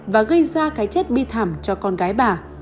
và gây ra cái chết bi thảm cho con gái bà